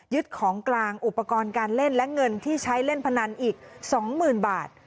ของกลางอุปกรณ์การเล่นและเงินที่ใช้เล่นพนันอีก๒๐๐๐บาท